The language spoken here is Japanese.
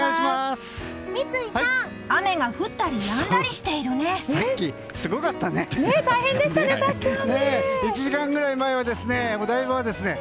三井さん雨が降ったりやんだりしているね。